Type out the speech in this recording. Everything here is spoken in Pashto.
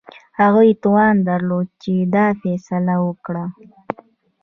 هغوی توان درلود چې دا فیصله وکړي.